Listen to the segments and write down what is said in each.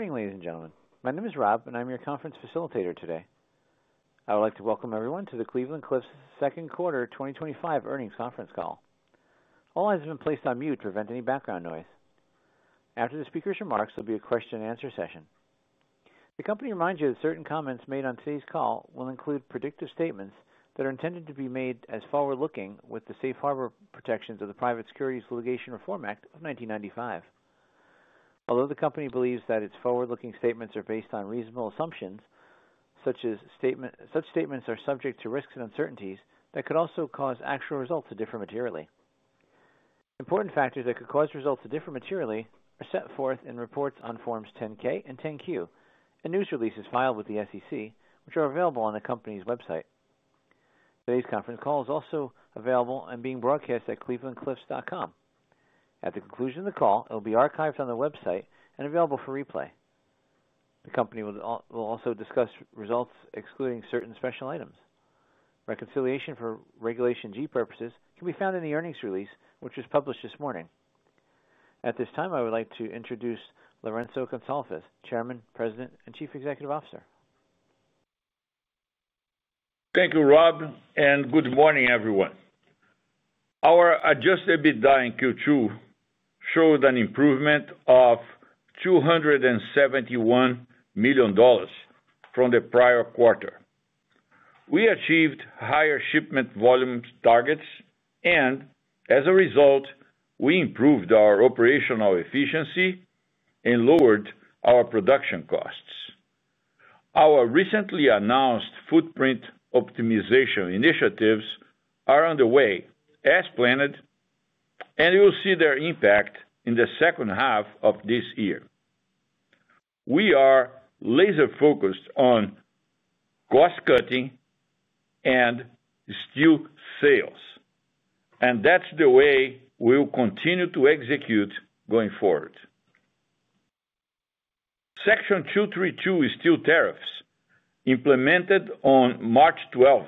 Good morning, and gentlemen. My name is Rob, and I'm your conference facilitator today. I would like to welcome everyone to the Cleveland Cliffs Second Quarter twenty twenty five Earnings Conference Call. All lines have been placed on mute to prevent any background noise. After the speakers' remarks, there will be a question and answer session. The company reminds you that certain comments made on today's call will include predictive statements that are intended to be made as forward looking with the Safe Harbor protections of the Private Securities Litigation Reform Act of 1995. Although the company believes that its forward looking statements are based on reasonable assumptions, statements are subject to risks and uncertainties that could also cause actual results to differ materially. Important factors that could cause results to differ materially are set forth in reports on Forms 10 ks and 10 Q and news releases filed with the SEC, which are available on the company's website. Today's conference call is also available and being broadcast at clevelandcliffs.com. At the conclusion of the call, it will be archived on the website and available for replay. The company will also discuss results excluding certain special items. Reconciliation for Regulation G purposes can be found in the earnings release, which was published this morning. At this time, I would like to introduce Lorenzo Consolfez, Chairman, President and Chief Executive Officer. Thank you, Rob, and good morning, everyone. Our adjusted EBITDA in Q2 showed an improvement of $271,000,000 from the prior quarter. We achieved higher shipment volumes targets and as a result, we improved our operational efficiency and lowered our production costs. Our recently announced footprint optimization initiatives are underway as planned and you will see their impact in the second half of this year. We are laser focused on cost cutting and steel sales and that's the way we'll continue to execute going forward. Section two thirty two is still tariffs implemented on March 12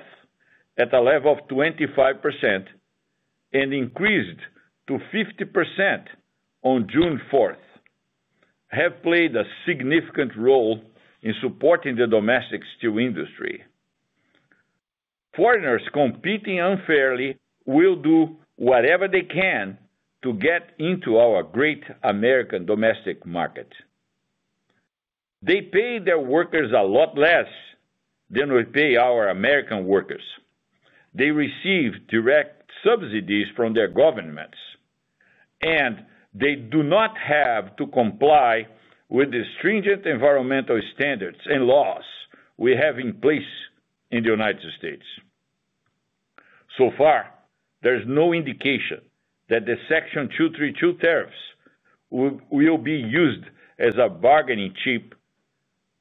at a level of 25% and increased to 50% on June 4, have played a significant role in supporting the domestic steel industry. Foreigners competing unfairly will do whatever they can to get into our great American domestic market. They pay their workers a lot less than we pay our American workers. They receive direct subsidies from their governments and they do not have to comply with the stringent environmental standards and laws we have in place in The United States. So far, there is no indication that the Section two thirty two tariffs will be used as a bargaining chip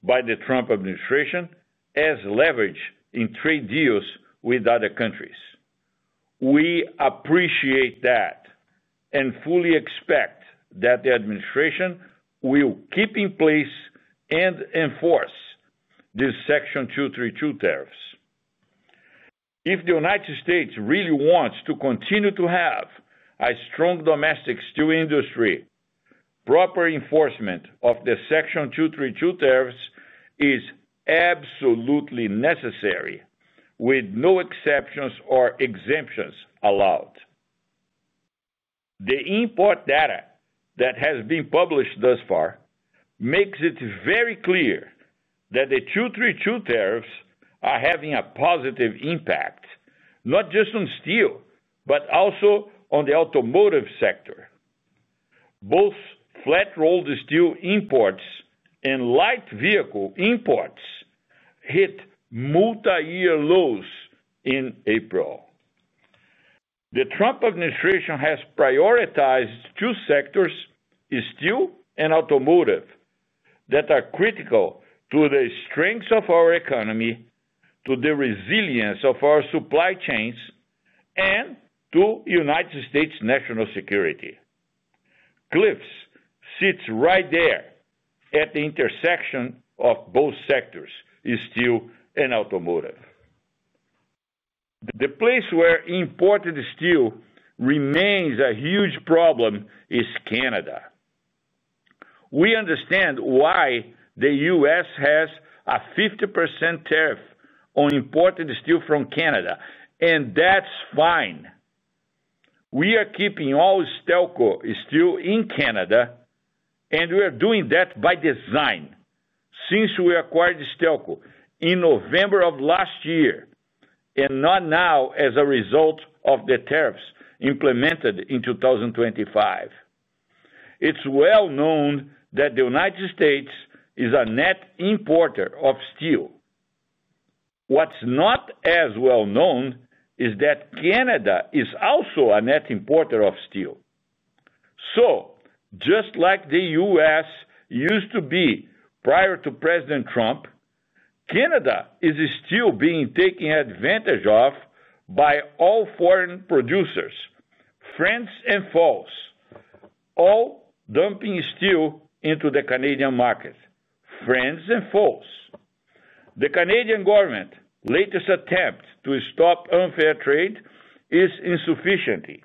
by the Trump administration as leverage in trade deals with other countries. We appreciate that and fully expect that the administration will keep in place and enforce this Section two thirty two tariffs. If The United States really wants to continue to have a strong domestic steel industry, proper enforcement of the Section two thirty two tariffs is absolutely necessary with no exceptions or exemptions allowed. The import data that has been published thus far makes it very clear that the two thirty two tariffs are having a positive impact not just on steel, but also on the automotive sector. Both flat rolled steel imports and light vehicle imports hit multi year lows in April. The Trump administration has prioritized two sectors, steel and automotive that are critical to the strengths of our economy, to the resilience of our supply chains and to United States national security. Cliffs sits right there at the intersection of both sectors is steel and automotive. The place where imported steel remains a huge problem is Canada. We understand why The U. S. Has a 50% tariff on imported steel from Canada and that's fine. We are keeping all Stelco steel in Canada and we are doing that by design. Since we acquired Stelco in November and not now as a result of the tariffs implemented in 2025. It's well known that The United States is a net importer of steel. What's not as well known is that Canada is also a net importer of steel. So just like The U. S. Used to be prior to President Trump, Canada is still being taken advantage of by all foreign producers, friends and falls, all dumping steel into the Canadian market, friends and falls. The Canadian government latest attempt to stop unfair trade is insufficiently.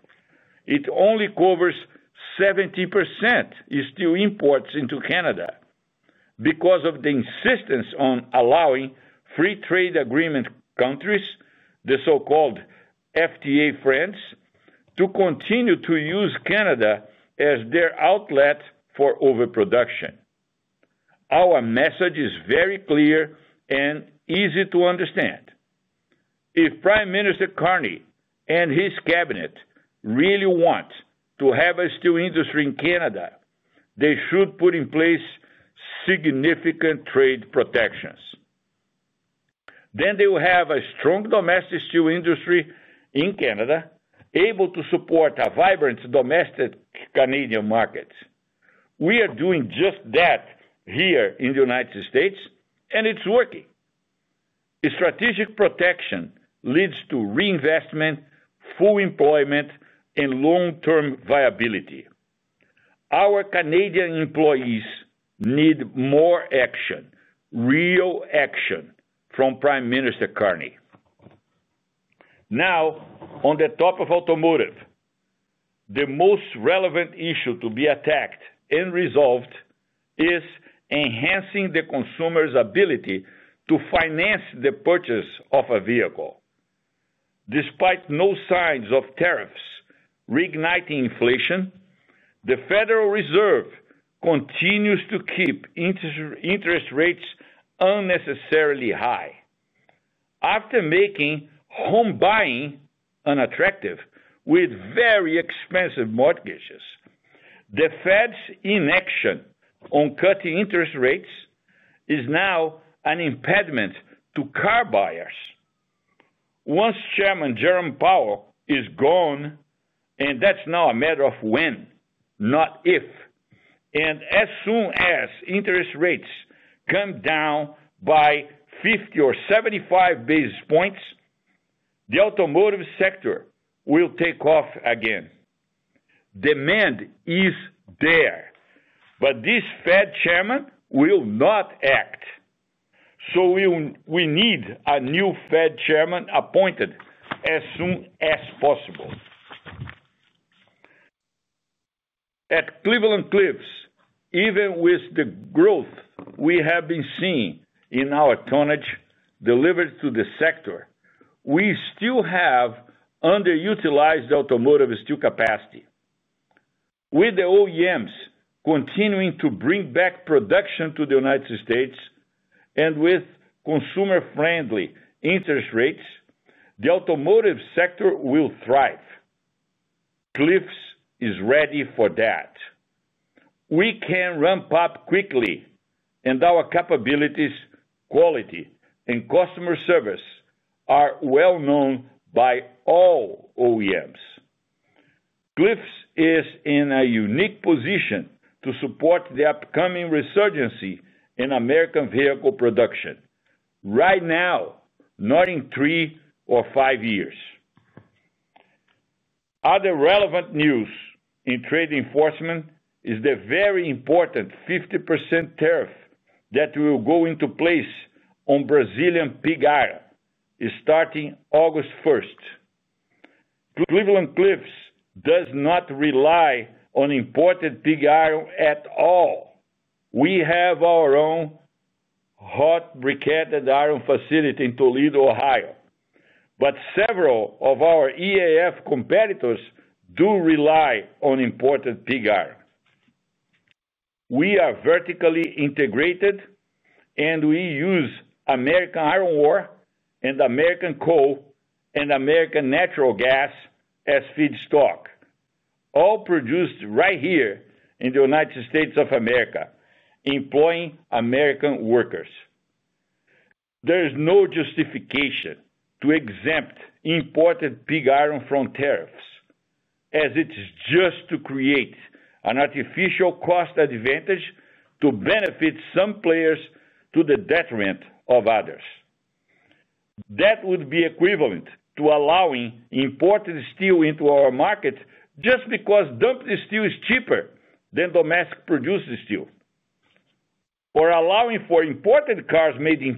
It only covers 70% steel imports into Canada because of the insistence on allowing free trade agreement countries, the so called FTA France to continue to use Canada as their outlet for overproduction. Our message is very clear and easy to understand. If Prime Minister Carney and his cabinet really want to have a steel industry in Canada, they should put in place significant trade protections. Then they will have a strong domestic steel industry in Canada able to support a vibrant domestic Canadian market. We are doing just that here in The United States and it's working. Strategic protection leads to reinvestment, full employment and long term viability. Our Canadian employees need more action, real action from Prime Minister Kearney. Now on the top of automotive, the most relevant issue to be attacked and resolved is enhancing the consumer's ability to finance the purchase of a vehicle. Despite no signs of tariffs reigniting inflation, the Federal Reserve continues to keep interest rates unnecessarily high. After making home buying unattractive with very expensive mortgages, the Fed's inaction on cutting interest rates is now an impediment to car buyers. Once Chairman, Jerome Powell is gone and that's now a matter of when not if. And as soon as interest rates come down by 50 or 75 basis points, the automotive sector will take off again. Demand is there, but this Fed Chairman will not act. So we need a new Fed Chairman appointed as soon as possible. At Cleveland Cliffs, even with the growth we have been seeing in our tonnage delivered to the sector, we still have underutilized automotive steel capacity. With the OEMs continuing to bring back production to The United States and with consumer friendly interest rates, the automotive sector will thrive. Cliffs is ready for that. We can ramp up quickly and our capabilities, quality and customer service are well known by all OEMs. Cliffs is in a unique position to support the upcoming resurgency in American vehicle production, right now not in three five years. Other relevant news in trade enforcement is the very important 50% tariff that will go into place on Brazilian pig iron starting August 1. Cleveland Cliffs does not rely on imported pig iron at all. We have our own hot briquette iron facility in Toledo, Ohio, but several of our EAF competitors do rely on imported pig iron. We are vertically integrated and we use American iron ore and American coal and American natural gas as feedstock, all produced right here in The United States Of America employing American workers. There is no justification to exempt imported pig iron from tariffs as it is just to create an artificial cost advantage to benefit some players to the detriment of others. That would be equivalent to allowing imported steel into our market just because dumped steel is cheaper than domestic produced steel. We're allowing for imported cars made in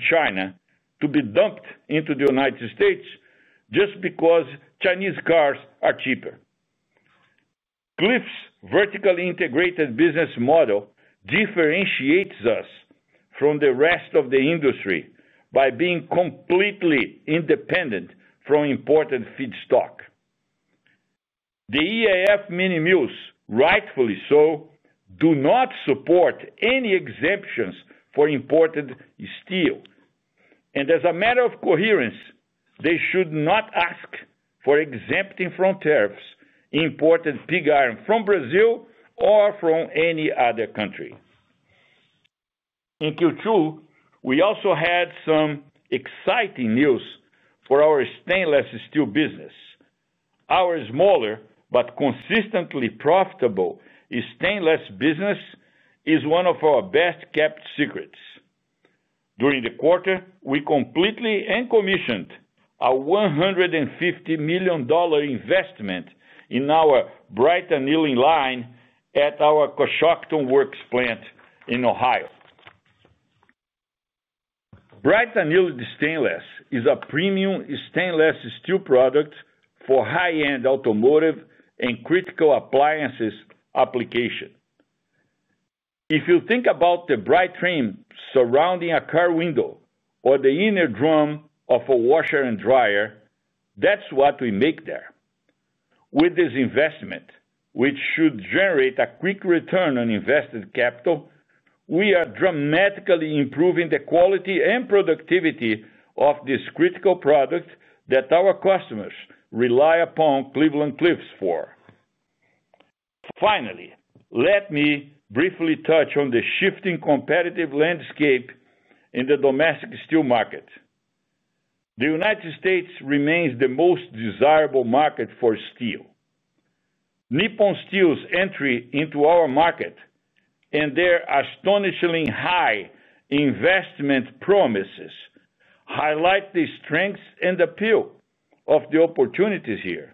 China to be dumped into The United States just because Chinese cars are cheaper. Cliff's vertically integrated business model differentiates us from the rest of the industry by being completely independent from important feedstock. The EAF mini mills rightfully so do not support any exemptions for imported steel. And as a matter of coherence, they should not ask for exempting from tariffs imported pig iron from Brazil or from any other country. In Q2, we also had some exciting news for our stainless steel business. Our smaller, but consistently profitable stainless business is one of our best kept secrets. During the quarter, we completely and commissioned a $150,000,000 investment in our bright annealing line at our Coshocton Works plant in Ohio. Bright annealed stainless is a premium stainless steel product for high end automotive and critical appliances application. If you think about the bright trim surrounding a car window or the inner drum of a washer and dryer that's what we make there. With this investment, which should generate a quick return on invested capital, we are dramatically improving the quality and productivity of this critical product that our customers rely upon Cleveland Cliffs for. Finally, let me briefly touch on the shifting competitive landscape in the domestic steel market. The United States remains the most desirable market for steel. Nippon Steel's entry into our market and their astonishingly high investment promises highlight the strengths and appeal of the opportunities here.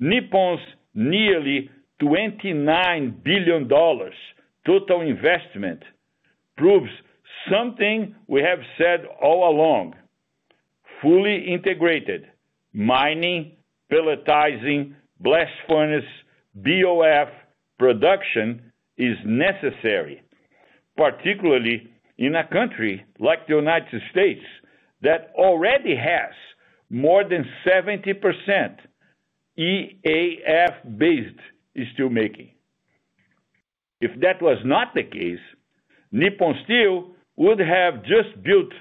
Nippon's nearly $29,000,000,000 total investment proves something we have said all along, fully integrated mining, pelletizing blast furnace, BOF production is necessary, particularly in a country like The United States that already has more than 70% EAF based steelmaking. If that was not the case, Nippon Steel would have just built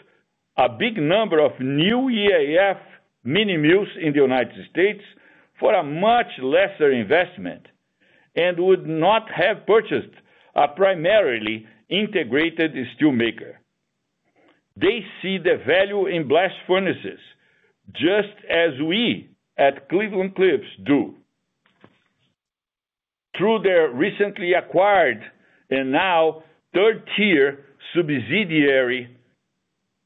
a big number of new EAF mini mills in The United States for a much lesser investment and would not have purchased a primarily integrated steel maker. They see the value in blast furnaces just as we at Cleveland Cliffs do. Through their recently acquired and now third tier subsidiary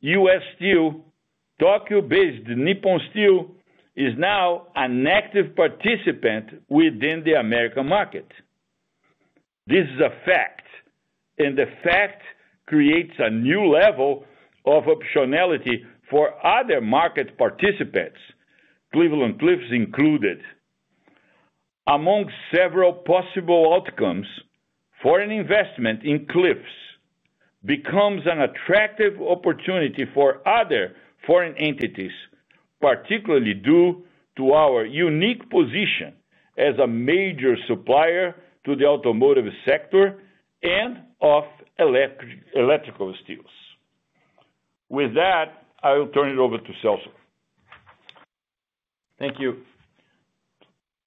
U. S. Steel Tokyo based Nippon Steel is now an active participant within the American market. This is a fact and the fact creates a new level of optionality for other market participants Cleveland Cliffs included. Among several possible outcomes for an investment in Cliffs becomes an attractive opportunity for other foreign entities, particularly due to our unique position as a major supplier to the automotive sector and of electrical steels. With that, I will turn it over to Celso. Thank you.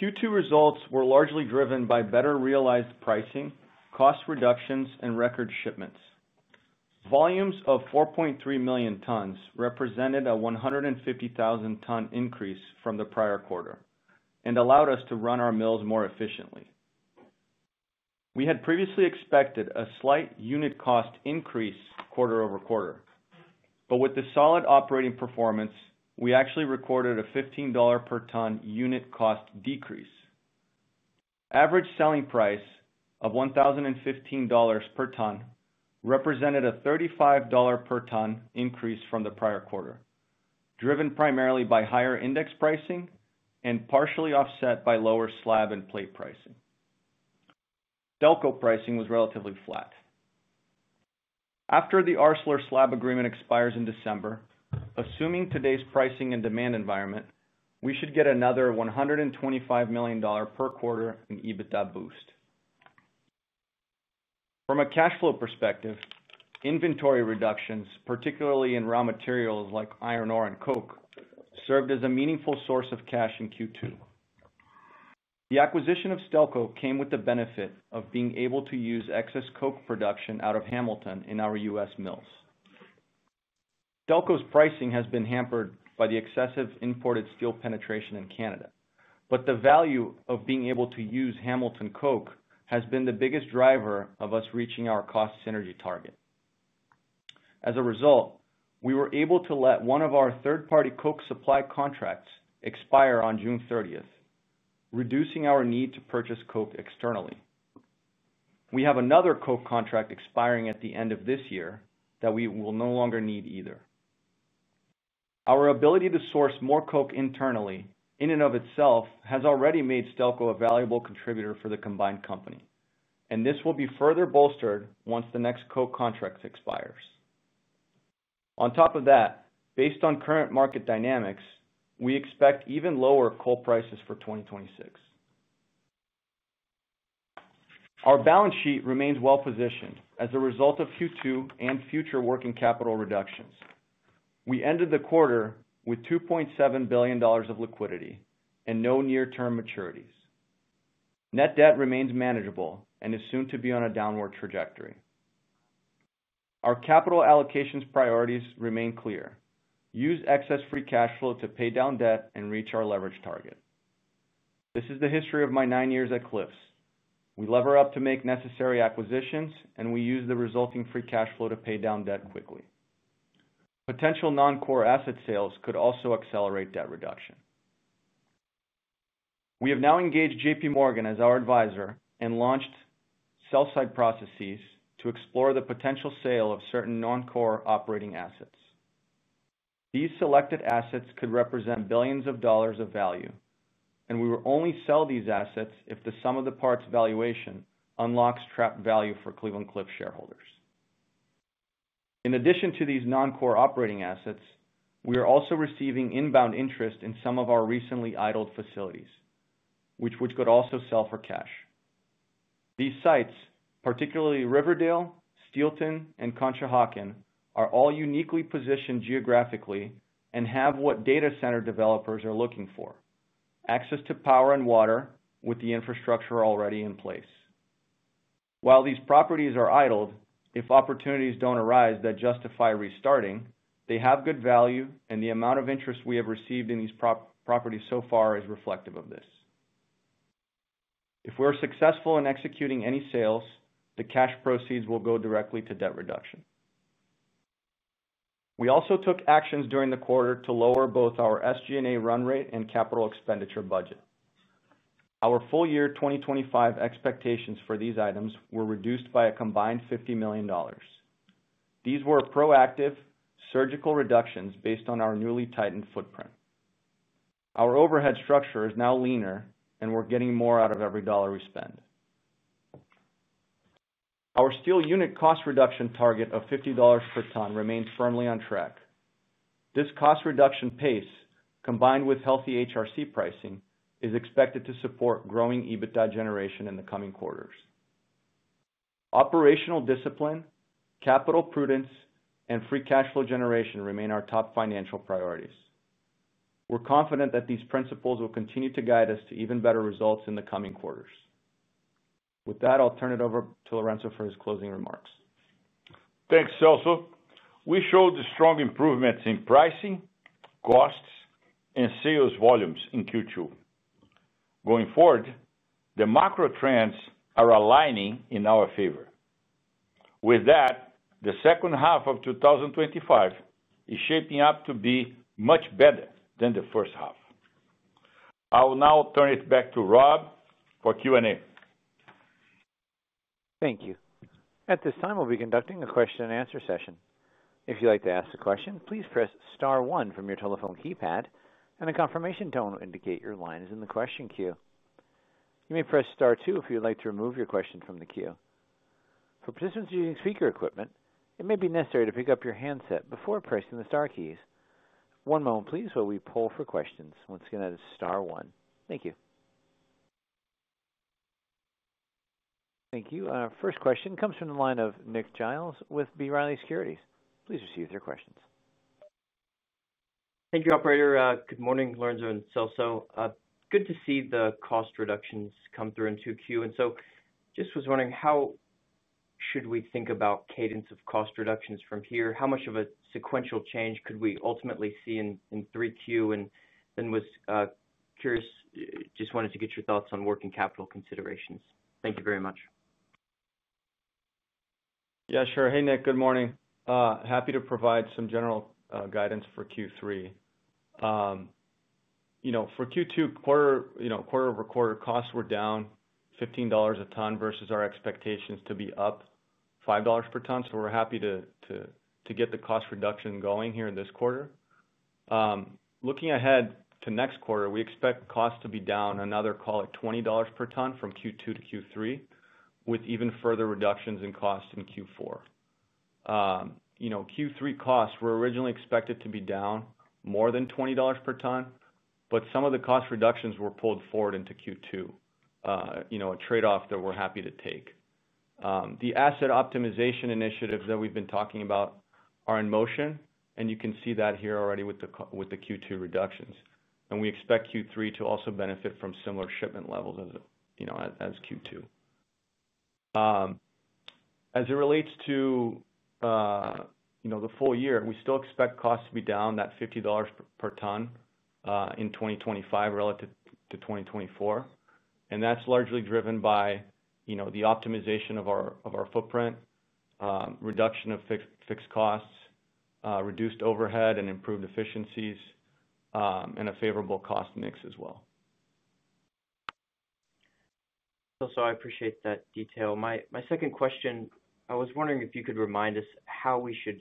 Q2 results were largely driven by better realized pricing, cost reductions and record shipments. Volumes of 4,300,000 tons represented a 150,000 ton increase from the prior quarter and allowed us to run our mills more efficiently. We had previously expected a slight unit cost increase quarter over quarter, but with the solid operating performance, we actually recorded a $15 per ton unit cost decrease. Average selling price of $10.15 dollars per ton represented a $35 per ton increase from the prior quarter, driven primarily by higher index pricing and partially offset by lower slab and plate pricing. Delco pricing was relatively flat. After the Arcelor slab agreement expires in December, assuming today's pricing and demand environment, we should get another $125,000,000 per quarter in EBITDA boost. From a cash flow perspective, inventory reductions particularly in raw materials like iron ore and coke served as a meaningful source of cash in Q2. The acquisition of Stelco came with the benefit of being able to use excess coke production out of Hamilton in our U. S. Mills. Delco's pricing has been hampered by the excessive imported steel penetration in Canada, but the value of being able to use Hamilton coke has been the biggest driver of us reaching our cost synergy target. As a result, we were able to let one of our third party coke supply contracts expire on June 30, reducing our need to purchase coke externally. We have another coke contract expiring at the end of this year that we will no longer need either. Our ability to source more coke internally in and of itself has already made Stelco a valuable contributor for the combined company and this will be further bolstered once the next coke contract expires. On top of that, based on current market dynamics, we expect even lower coal prices for 2026. Our balance sheet remains well positioned as a result of Q2 and future working capital reductions. We ended the quarter with $2,700,000,000 of liquidity and no near term maturities. Net debt remains manageable and is soon to be on a downward trajectory. Our capital allocations priorities remain clear, use excess free cash flow to pay down debt and reach our leverage target. This is the history of my nine years at Cliffs. We lever up to make necessary acquisitions and we use the resulting free cash flow to pay down debt quickly. Potential non core asset sales could also accelerate debt reduction. We have now engaged JPMorgan as our advisor and launched sell side processes to explore the potential sale of certain non core operating assets. These selected assets could represent billions of dollars of value and we will only sell these assets if the sum of the parts valuation unlocks trapped value for Cleveland Cliffs shareholders. In addition to these non core operating assets, we are also receiving inbound interest in some of our recently idled facilities, which could also sell for cash. These sites, particularly Riverdale, Stilton and Conchohocken are all uniquely positioned geographically and have what data center developers are looking for, access to power and water with the infrastructure already in place. While these properties are idled, if opportunities don't arise that justify restarting, they have good value and the amount of interest we have received in these properties so far is reflective of this. If we're successful in executing any sales, the cash proceeds will go directly to debt reduction. We also took actions during the quarter to lower both our SG and A run rate and capital expenditure budget. Our full year 2025 expectations for these items were reduced by a combined $50,000,000 These were proactive surgical reductions based on our newly tightened footprint. Our overhead structure is now leaner and we're getting more out of every dollar we spend. Our steel unit cost reduction target of $50 per ton remains firmly on track. This cost reduction pace combined with healthy HRC pricing is expected to support growing EBITDA generation in the coming quarters. Operational discipline, capital prudence and free cash flow generation remain our top financial priorities. We're confident that these principles will continue to guide us to even better results in the coming quarters. With that, I'll turn it over to Lorenzo for his closing remarks. Thanks, Cecil. We showed the strong improvements in pricing, costs and sales volumes in Q2. Going forward, the macro trends are aligning in our favor. With that, the 2025 is shaping up to be much better than the first half. I will now turn it back to Rob for Q and A. Thank you. At this time, we'll be conducting a question and answer session. Thank you. Our first question comes from the line of Nick Giles with B. Riley Securities. Please proceed with your questions. Thank you, operator. Good morning, Lorenzo and Celso. Good to see the cost reductions come through in 2Q. And so just was wondering how should we think about cadence of cost reductions from here? How much of a sequential change could we ultimately see in 3Q? And then was curious just wanted to get your thoughts on working capital considerations? Thank you very much. Yes, sure. Hey, Nick. Good morning. Happy to provide some general guidance for Q3. For Q2 quarter over quarter costs were down $15 a ton versus our expectations to be up $5 per ton. So we're happy to get the cost reduction going here in this quarter. Looking ahead to next quarter, we expect costs to be down another call it $20 per ton from Q2 to Q3 with even further reductions in cost in Q4. Q3 costs were originally expected to be down more than $20 per ton, but some of the cost reductions were pulled forward into Q2, a trade off that we're happy to take. The asset optimization initiatives that we've been talking about are in motion and you can see that here already with the Q2 reductions. And we expect Q3 to also benefit from similar shipment levels as Q2. As it relates to the full year, we still expect costs to be down that $50 per ton in 2025 relative to 2024. And that's largely driven by the optimization of footprint, reduction of fixed costs, reduced overhead and improved efficiencies and a favorable cost mix as well. So I appreciate that detail. My second question, I was wondering if you could remind us how we should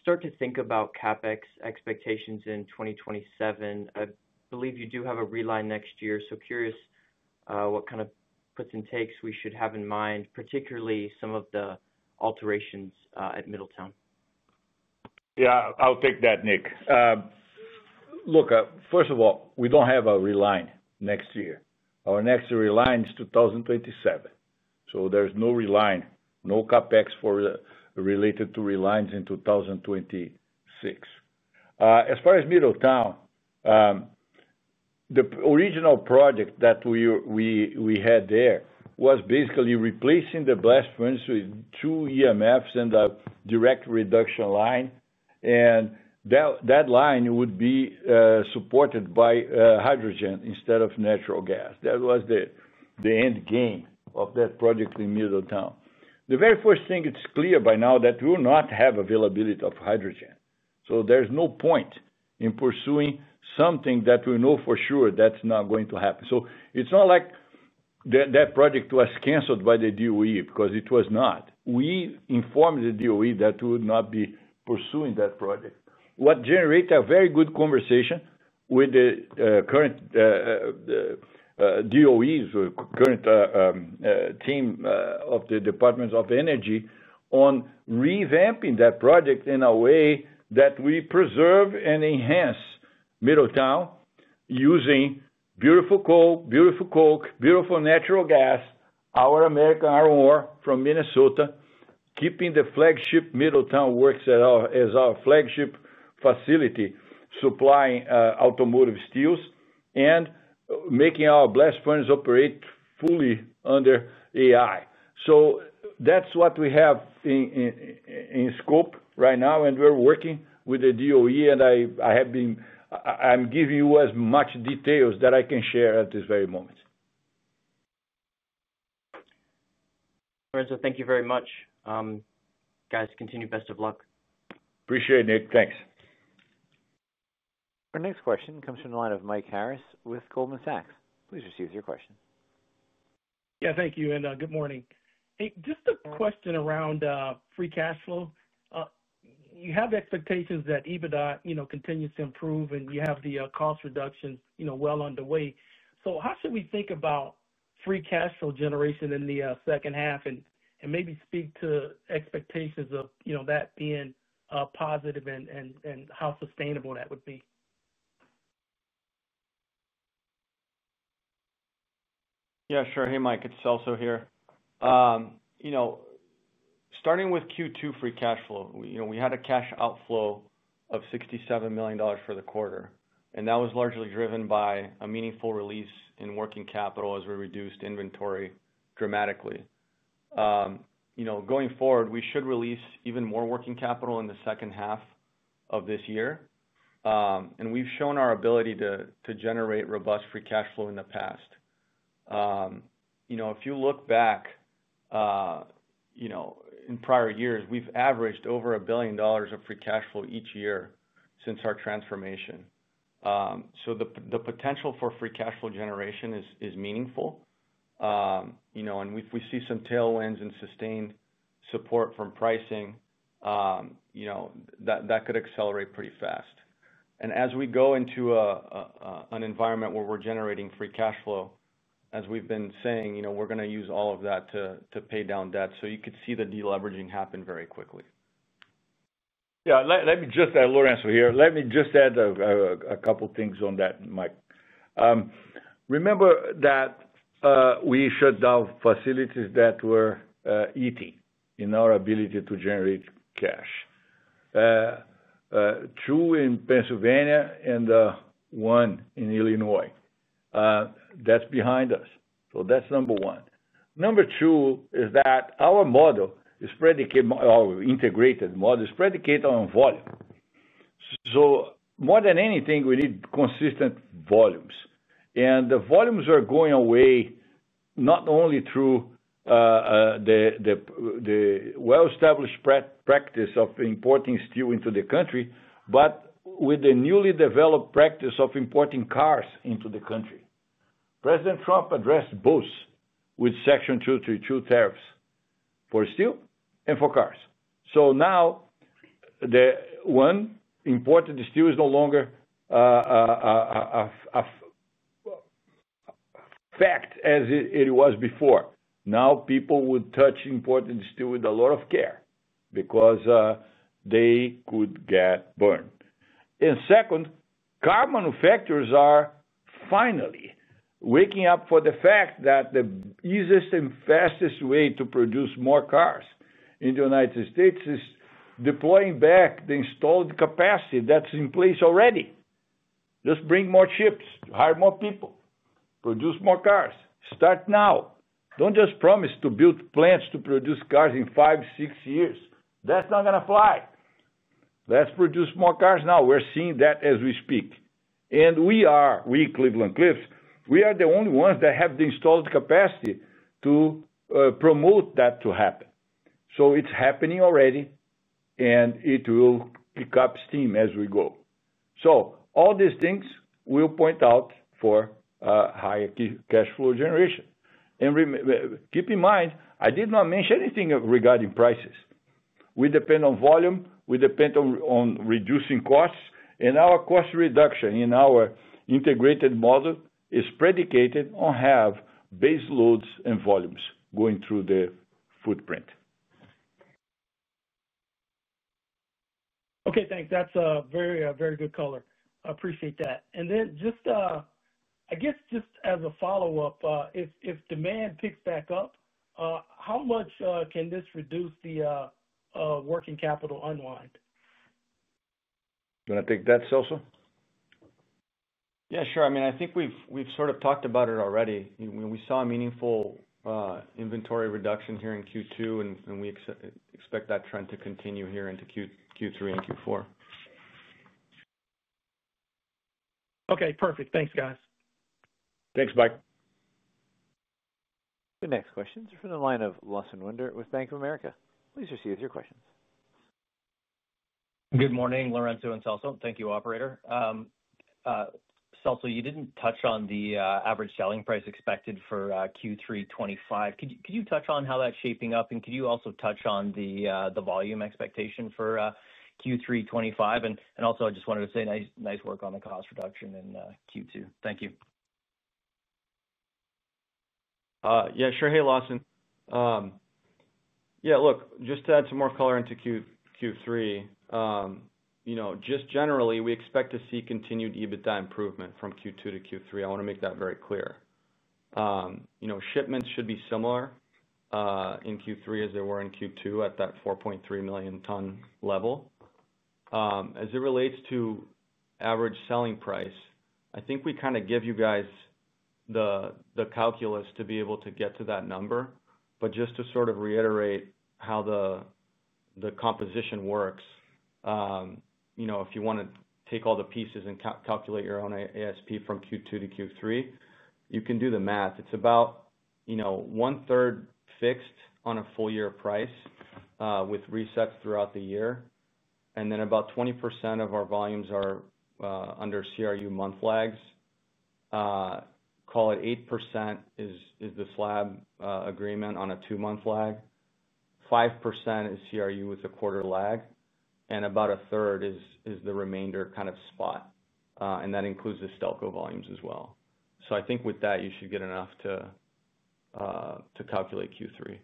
start to think about CapEx expectations in 2027. I believe you do have a reline next year. So curious what kind of puts and takes we should have in mind particularly some of the alterations at Middletown? Yes. I'll take that Nick. Look, first of all, we don't have a reline next year. Our next reline is 2027. So there is no reline, no CapEx related to relines in 2026. As far as Middletown, the original project that we had there was basically replacing the blast furnace with two EMFs and the direct reduction line. And that line would be supported by hydrogen instead of natural gas. That was the end game of that project in Middletown. The very first thing it's clear by now that we will not have availability of hydrogen. So there is no point in pursuing something that we know for sure that's not going to happen. So it's not like that project was canceled by the DOE because it was not. We informed the DOE that we would not be pursuing that project. What generate a very good conversation with the current DOEs, team of the Department of Energy on revamping that project in a way that we preserve and enhance Middletown using beautiful coal, beautiful coke, beautiful natural gas, our American iron ore from Minnesota, keeping the flagship Middletown works as our flagship facility supplying automotive steels and making our blast furnace operate fully under AI. So that's what we have in scope right now and we're working with the DOE and I have been I'm giving you as much details that I can share at this very moment. Lorenzo, thank you very much. Guys continue best of luck. Appreciate it, Nick. Thanks. Our next question comes from the line of Mike Harris with Goldman Sachs. Please proceed with your question. Yes. Thank you and good morning. A question free cash flow. You have expectations that EBITDA continues to improve and you have the cost reductions well underway. So how should we think about free cash flow generation in the second half and maybe speak to expectations of that being positive and how sustainable that would be? Yes, sure. Hey, Mike, it's Elso here. Starting with Q2 free cash flow, we had a cash outflow of $67,000,000 for the quarter and that was largely driven by a meaningful release in working capital as we reduced inventory dramatically. Going forward, we should release even more working capital in the second half of this year. And we've shown our ability to generate robust free cash flow in the past. If you look back in prior years, we've averaged over $1,000,000,000 of free cash flow each year since our transformation. So the potential for free cash flow generation is meaningful. And if we see some tailwinds and sustained support from pricing that could accelerate pretty fast. And as we go into an environment where we're generating free cash flow, as we've been saying, we're going to use all of that to pay down debt. So you could see the deleveraging happen very quickly. Me just add Lorenzo here. Let me just add a couple of things on that Mike. Remember that we shut down facilities that were eating in our ability to generate cash. Two in Pennsylvania and one in Illinois. That's behind us. So that's number one. Number two is that our model is predicated our integrated model is predicated on volume. So more than anything, need consistent volumes. And the volumes are going away not only through the well established practice of importing steel into the country, but with the newly developed practice of importing cars into the country. President Trump addressed both with Section two thirty two tariffs for steel and for cars. So now the one important steel is no longer fact as it was before. Now people would touch important steel with a lot of care, because they could get burned. And second, car manufacturers are finally waking up for the fact that the easiest and fastest way to produce more cars in The United States is deploying back the installed capacity that's in place already. Just bring more chips, hire more people, produce more cars, start now. Don't just promise to build plants to produce cars in five, six years. That's not going to fly. Let's produce more cars now. We're seeing that as we speak. And we are weak Cleveland Cliffs. We are the only ones that have the installed capacity to promote that to happen. So it's happening already and it will pick up steam as we go. So all these things we'll point out for higher cash flow generation. And keep in mind, I did not mention anything regarding prices. We depend on volume, we depend on reducing costs and our cost reduction in our integrated model is predicated on have base loads and volumes going through the footprint. Okay. Thanks. That's a very good color. I appreciate that. And then just I guess just as a follow-up, if demand picks back up, how much can this reduce the working capital unwind? Do want to take that, Sosa? Yes, sure. I mean, think we've sort of talked about it already. We saw meaningful inventory reduction here in Q2 and we expect that trend to continue here into Q3 and Q4. Okay, perfect. Thanks guys. Thanks Mike. The next question is from the line of Lawson Winder with Bank of America. Please proceed with your question. Good morning, Lorenzo and Salsa. Thank you, operator. Salsa, you didn't touch on the average selling price expected for Q3 twenty twenty five. Could you touch on how that's shaping up? And could you also touch on the volume expectation for Q3 twenty twenty five? And also I just wanted to say nice work on the cost reduction in Q2. Thank you. Yes. Sure. Hey, Lawson. Yes, look, just to add some more color into Q3. Just generally, we expect to see continued EBITDA improvement from Q2 to Q3. I want to make that very clear. Shipments should be similar in Q3 as they were in Q2 at that 4,300,000 ton level. As it relates to average selling price, I think we kind of give you guys the calculus to be able to get to that number. But just to sort of reiterate how the composition works. If you want to take all the pieces and calculate your own ASP from Q2 to Q3, you can do the math. It's about one third fixed on a full year price with resets throughout the year. And then about 20% of our volumes are under CRU month lags. Call it 8% is the slab agreement on a two month lag. 5% is CRU with a quarter lag and about a third is the remainder kind of spot. And that includes the Stelco volumes as well. So I think with that you should get enough to calculate Q3.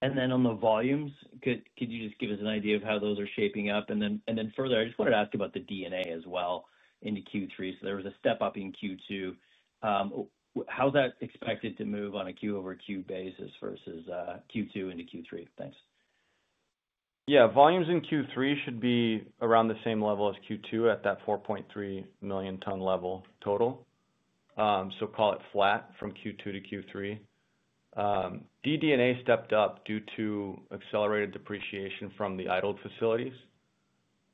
And then on the volumes, could you just give us an idea of how those are shaping up? And then further, I just wanted to ask about the D and A as well into Q3. So there was a step up in Q2. How is that expected to move on a Q over Q basis versus Q2 into Q3? Thanks. Yeah. Volumes in Q3 should be around the same level as Q2 at that 4,300,000 ton level total. So call it flat from Q2 to Q3. DD and A stepped up due to accelerated depreciation from the idled facilities,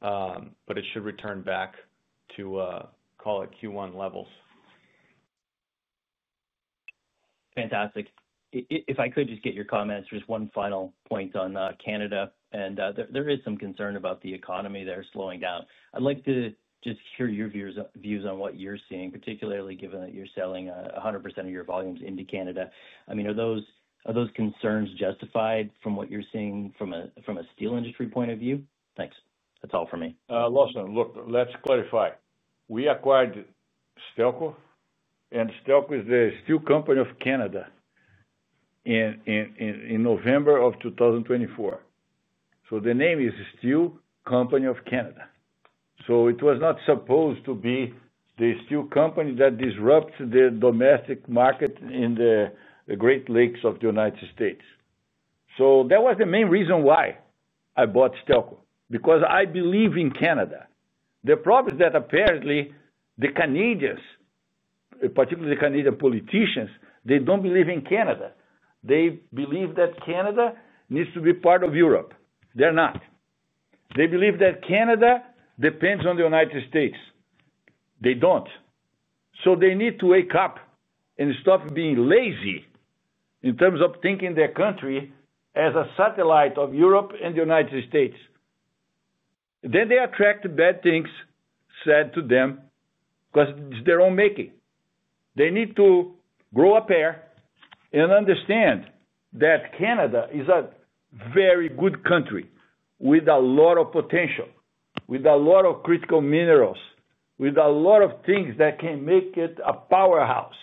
but it should return back to call it Q1 levels. Fantastic. If I could just get your comments, just one final point on Canada. And there is some concern about the economy there slowing down. I'd like to just hear your views on what you're seeing, particularly given that you're selling 100% of your volumes into Canada. I mean, are those concerns justified from what you're seeing from a steel industry point of view? Thanks. That's all for me. Lawson, look, let's clarify. We acquired Stelco and Stelco is the steel company of Canada in November. So the name is Steel Company of Canada. So it was not supposed to be the steel company that disrupts the domestic market in the Great Lakes Of The United States. So that was the main reason why I bought Stelco, because I believe in Canada. The problem is that apparently the Canadians, particularly Canadian politicians, they don't believe in Canada. They believe that Canada needs to be part of Europe. They're not. They believe that Canada depends on The United States. They don't. So they need to wake up and stop being lazy in terms of thinking their country as a satellite of Europe and The United States. Then they attract bad things said to them because it's their own making. They need to grow a pair and understand that Canada is a very good country with a lot of potential, with a lot of critical minerals, with a lot of things that can make it a powerhouse.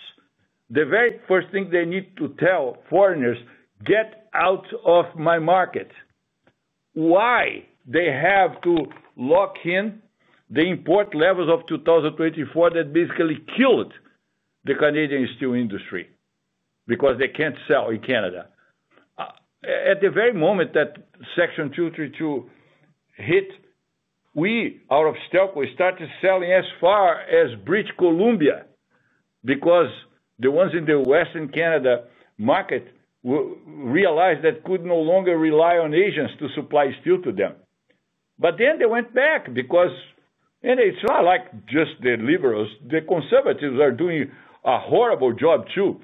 The very first thing they need to tell foreigners get out of my market. Why they have to lock in the import levels of 2024 that basically killed the Canadian steel industry, because they can't sell in Canada. At the very moment that Section two thirty two hit, we out of stock we started selling as far as British Columbia, because the ones in the Western Canada market realized that could no longer rely on agents to supply steel to them. But then they went back because and it's not like just the liberals, the conservatives are doing a horrible job too.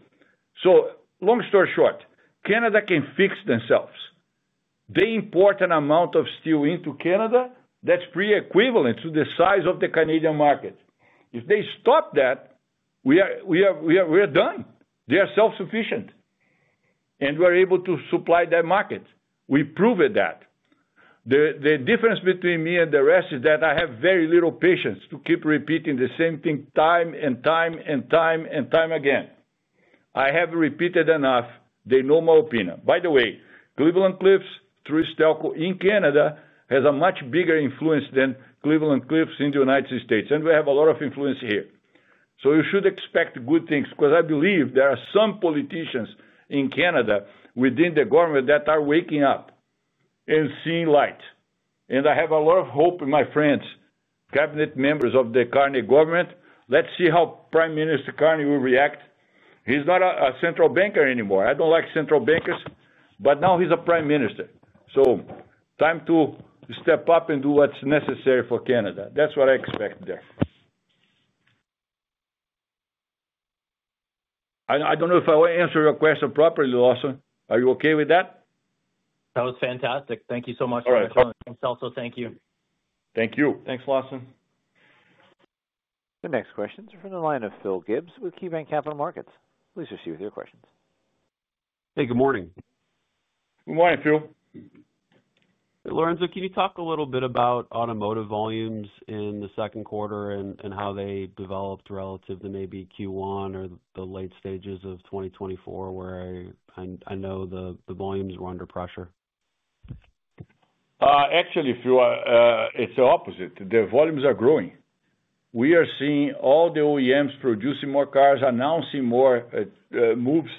So long story short, Canada can fix themselves. They import an amount of steel into Canada that's pre equivalent to the size of the Canadian market. If they stop that, we are done. They are self sufficient and we're able to supply that market. We proved that. The difference between me and the rest is that I have very little patience to keep repeating the same thing time and time and time and time again. I have repeated enough, they know my opinion. By the way, Cleveland Cliffs through Stelco in Canada has a much bigger influence than Cleveland Cliffs in The United States and we have a lot of influence here. So you should expect good things, because I believe there are some politicians in Canada within the government that are waking up and seeing light. And I have a lot of hope in my friends, cabinet members of the Kearny government. Let's see how Prime Minister Kearny will react. He's not a central banker anymore. I don't like central bankers, but now he's a Prime Minister. So time to step up and do what's necessary for Canada. That's what I expect there. I don't know if I will answer your question properly Lawson. Are you okay with that? That was fantastic. Thank you so much for also. Thank you. You. Thanks Lawson. The next question is from the line of Phil Gibbs with KeyBanc Capital Markets. Please proceed with your questions. Hey, good morning. Good morning Phil. Lorenzo, can you talk a little bit about automotive volumes in the second quarter and how they developed relative to maybe Q1 or the late stages of 2024 where I know the volumes were under pressure? Actually, you are it's the opposite. The volumes are growing. We are seeing all the OEMs producing more cars announcing more moves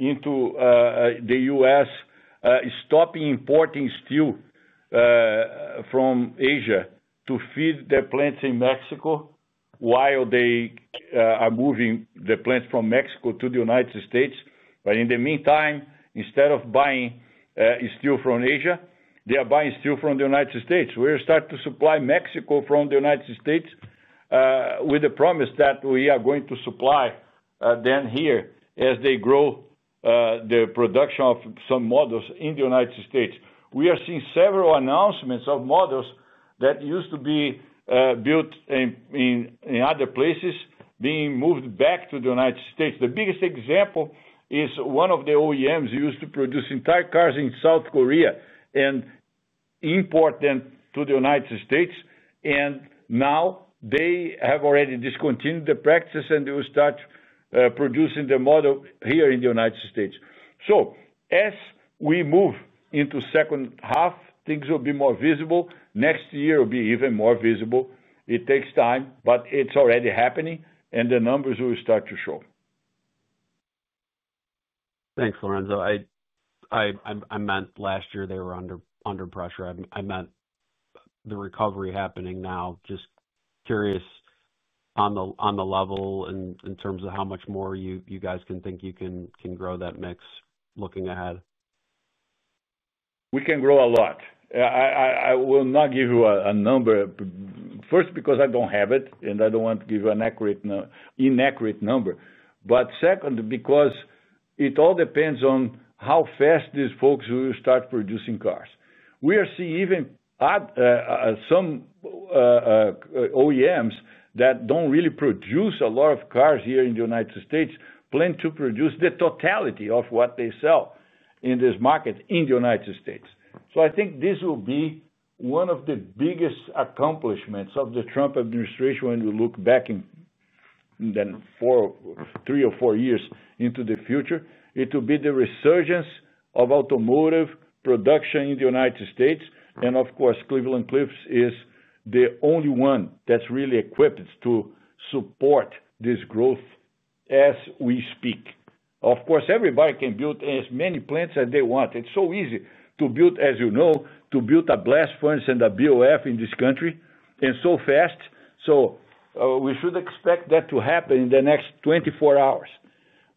into The U. S. Stopping importing steel from Asia to feed their plants in Mexico, while they are moving the plants from Mexico to The United States. But in the meantime, instead of buying steel from Asia, they are buying steel from The United States. We will start to supply Mexico from The United States with the promise that we are going to supply them here as they grow their production of some models in The United States. We are seeing several announcements of models that used to be built in other places being moved back to The United States. The biggest example is one of the OEMs used to produce entire cars in South Korea and import them to The United States. And now they have already discontinued the practice and they will start producing the model here in The United States. So as we move into second half, things will be more visible. Next year will be even more visible. It takes time, but it's already happening and the numbers will start to show. Thanks, Lorenzo. I meant last year they were under pressure. I meant the recovery happening now. Just curious on the level and terms of how much more you guys can think you can grow that mix looking ahead? We can grow a lot. I will not give you a number first because I don't have it and I don't want to give you an accurate inaccurate number. But second, it all depends on how fast these folks will start producing cars. We are seeing even some OEMs that don't really produce a lot of cars here in The United States plan to produce the totality of what they sell in this market in The United States. So I think this will be one of the biggest accomplishments of the Trump administration when we look back then three or four years into the future, it will be the resurgence of automotive production in The United States. And of course, Cleveland Cliffs is the only one that's really equipped to support this growth as we speak. Of course, everybody can build as many plants as they want. It's so easy to build as you know, to build a blast furnace and a BOF in this country and so fast. So we should expect that to happen in the next twenty four hours.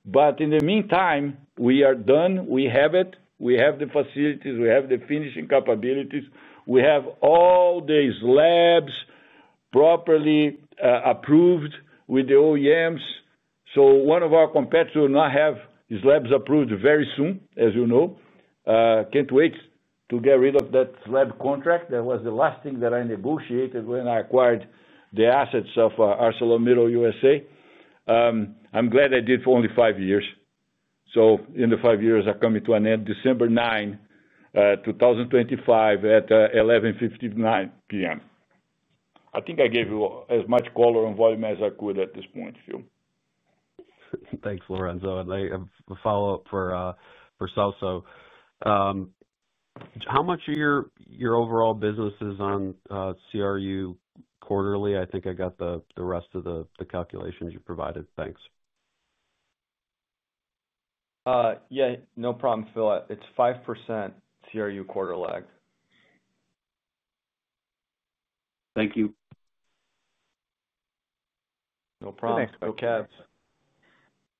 But in the meantime, we are done. We have it. We have the facilities. We have the finishing capabilities. We have all these labs properly approved with the OEMs. So one of our competitor will not have these labs approved very soon as you know. Can't wait to get rid of that lab contract. That was the last thing that I negotiated when I acquired the assets of ArcelorMittal USA. I'm glad I did for only five years. So in the five years are coming to an end 12/09/2025 at 11:59 p. M. I think I gave you as much color on volume as I could at this point, Phil. Thanks, Lorenzo. And I have a follow-up for Salsa. How much of your overall business is on CRU quarterly? I think I got the rest of the calculations you provided. Thanks. Yes. Problem, Phil. It's 5% CRU quarter lag. Thank you. No problem. Kochav.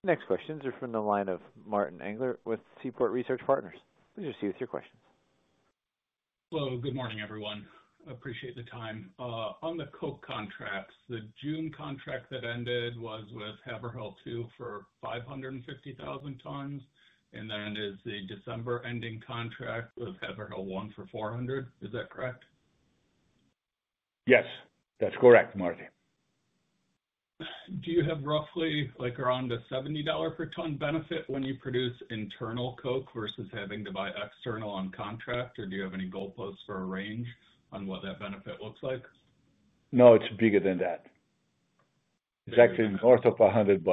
Next questions are from the line of Martin Engler with Seaport Research Partners. Please proceed with your question. Hello. Good morning, everyone. I appreciate the time. On the coke contracts, the June contract that ended was with Haverhill two for 550,000 tons and then is the December ending contract with Haverhill one for 400,000 Is that correct? Yes. That's correct, Marty. Do you have roughly like around the $70 per ton benefit when you produce internal coke versus having to buy external on contract? Or do you have any goalposts for a range on what that benefit looks like? No, it's bigger than that. It's actually north of $100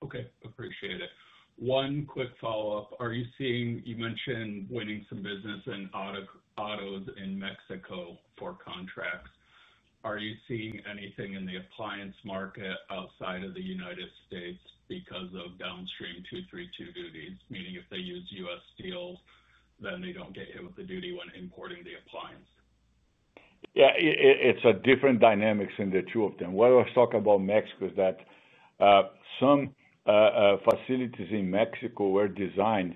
Okay. Appreciate it. One quick follow-up. Are you seeing you mentioned winning some business in autos in Mexico for contracts. Are you seeing anything in the appliance market outside of The United States because of downstream two thirty two duties, meaning if they use U. S. Steel, then they don't get hit with the duty when importing the appliance? Yes. It's a different dynamics in the two of them. What I was talking about Mexico is that some facilities in Mexico were designed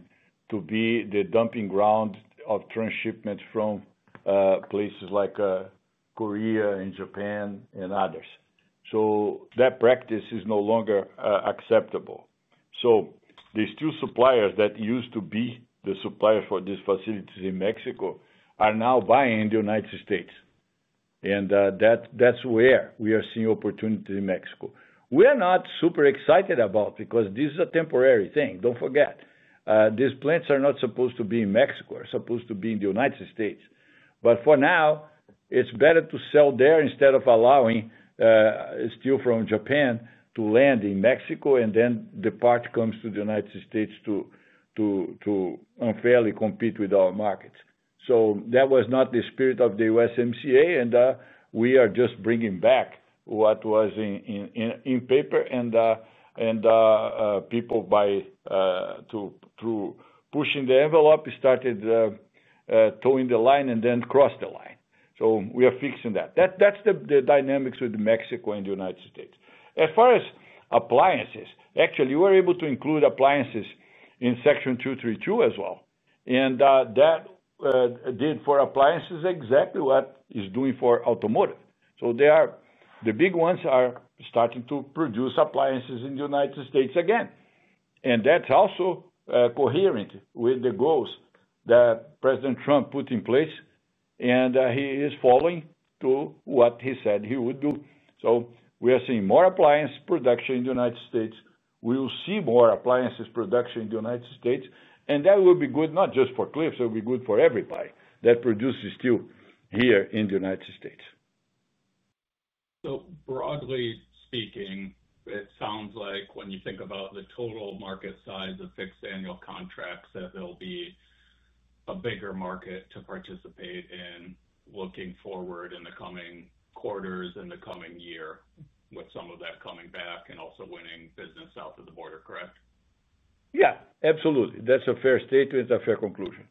to be the dumping ground of transshipment from places like Korea and Japan and others. So that practice is no longer acceptable. So these two suppliers that used to be the supplier for these facilities in Mexico are now buying in The United States. And that's where we are seeing opportunity in Mexico. We are not super excited about because this is a temporary thing. Don't forget. These plants are not supposed to be in Mexico, supposed to be in The United States. But for now, it's better to sell there instead of allowing steel from Japan to land in Mexico and then depart comes to The United States to unfairly compete with our markets. So that was not the spirit of the USMCA and we are just bringing back what was in paper and people by to pushing the envelope started throwing the line and then cross the line. So we are fixing that. That's the dynamics with Mexico and The United States. As far as appliances, actually we're able to include appliances in Section two thirty two as well. And that did for appliances exactly what is doing for automotive. So they are the big ones are starting to produce appliances in The United States again. And that's also coherent with the goals that President Trump put in place and he is following to what he said he would do. So we are seeing more appliance production in The United States. We will see more appliances production in The United States. And that will be good not just for Cliffs, will be good for everybody that produces steel here in The United States. So broadly speaking, it sounds like when you think about the total market size of fixed annual contracts that there'll be a bigger market to participate in looking forward in the coming quarters and the coming year with some of that coming back and also winning business out of the border, correct? Yes, absolutely. That's a fair statement, that's a fair conclusion.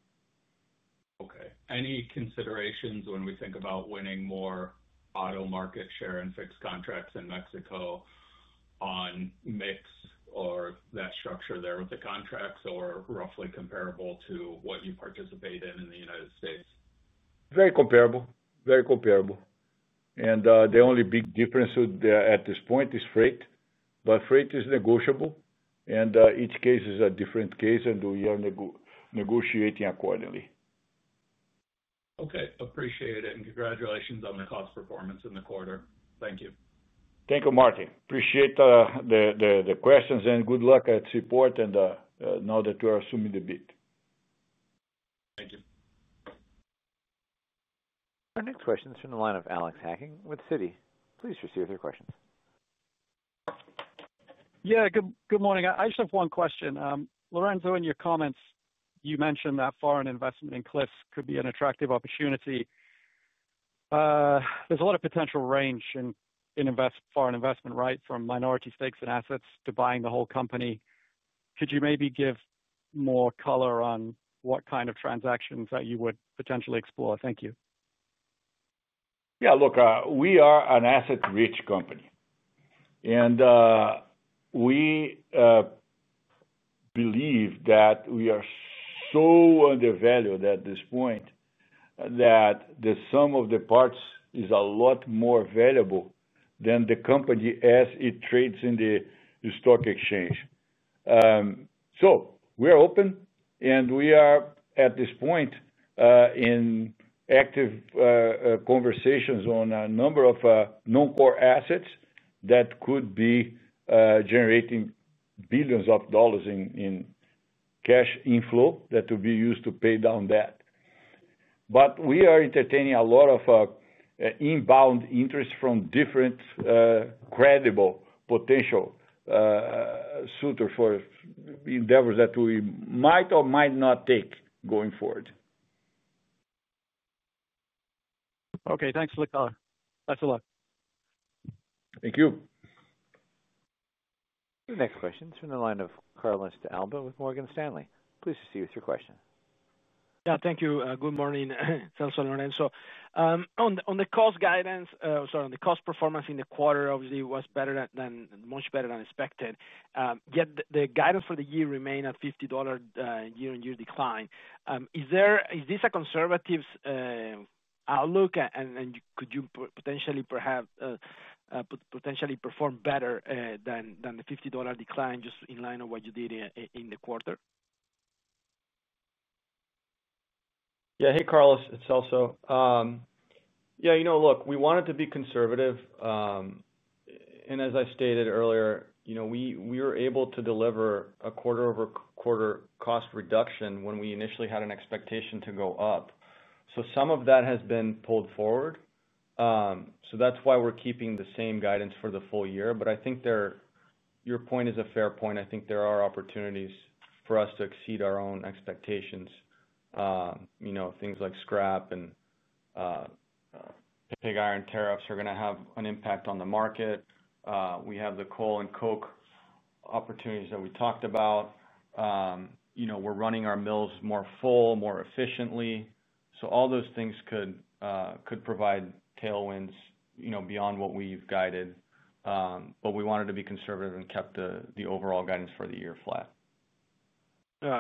Okay. Any considerations when we think about winning more auto market share and fixed contracts in Mexico on mix or that structure there with the contracts or roughly comparable to what you participate in The United States? Very comparable, very comparable. And the only big difference at this point is freight, but freight is negotiable and each case is a different case and we are negotiating accordingly. Okay. Appreciate it and congratulations on the cost performance in the quarter. Thank you. Thank you, Martin. Appreciate the questions and good luck at support and now that you are assuming the beat. Thank you. Our next question is from the line of Alex Hacking with Citi. Please proceed with your question. Yes, good morning. I just have one question. Lorenzo, in your comments, you mentioned that foreign investment in Cliffs could be an attractive opportunity. There's a lot of potential range in invest foreign investment right from minority stakes and assets to buying the whole company. Could you maybe give more color on what kind of transactions that you would potentially explore? Thank you. Yes. Look, we are an asset rich company. And we believe that we are so undervalued at this point that the sum of the parts is a lot more valuable than the company as it trades in the stock exchange. So, we are open and we are at this point in active conversations on a number of non core assets that could be generating billions of dollars in cash inflow that will be used to pay down debt. But we are entertaining a lot of inbound interest from different credible potential suitor for endeavors that we might or might not take going forward. Okay. Thanks for the color. Best of luck. Thank you. Your next question is from the line of Carlos De Alba with Morgan Stanley. Please proceed with your question. Yes. Thank you. Good morning, Marcelo and Ernesto. On the cost guidance sorry, on the cost performance in the quarter, obviously, was better than much better than expected. Yet the guidance for the year remain at $50 year on year decline. Is there is this a conservative outlook? And could you potentially perhaps potentially perform better than the $50 decline just in line of what you did in the quarter? Yes. Hey, Carlos, it's Elso. Yes, look, we wanted to be conservative. And as I stated earlier, we were able to deliver a quarter over quarter cost reduction when we initially had an expectation to go up. So some of that has been pulled forward. So that's why we're keeping the same guidance for the full year. But I think there your point is a fair point. I think there are opportunities for us to exceed our own expectations. Things like scrap and pig iron tariffs are going to have an impact on the market. We have the coal and coke opportunities that we talked about. We're running our mills more full, more efficiently. So all those things could provide tailwinds beyond what we've guided. But we wanted to be conservative and kept the overall guidance for the year flat.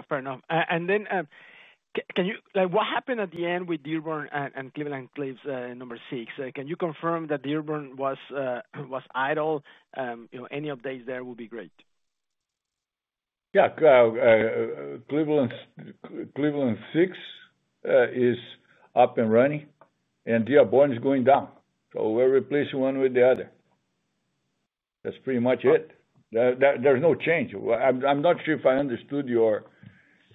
Fair enough. And then can you like what happened at the end with Dearborn and Cleveland Cliffs number six? Can you confirm that Dearborn was idle? Any updates there will be great. Yes. Cleveland six is up and running and Dearborn is going down. So we're replacing one with the other. That's pretty much it. There is no change. I'm not sure if I understood your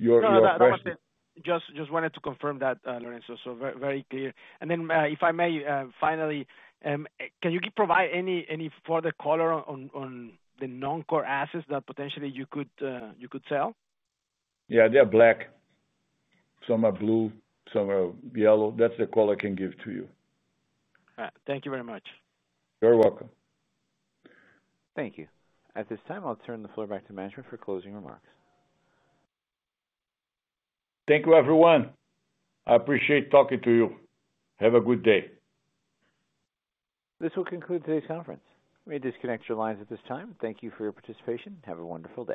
No, I wasn't. Just wanted to confirm that, Lorenzo, so very clear. And then if I may, finally, can you provide any further color on the non core assets that potentially you could sell? Yes. They are black. Some are blue, some are yellow. That's the color I can give to you. Thank you very much. You're welcome. Thank you. At this time, I'll turn the floor back to management for closing remarks. Thank you everyone. I appreciate talking to you. Have a good day. This will conclude today's conference. You may disconnect your lines at this time. Thank you for your participation. Have a wonderful day.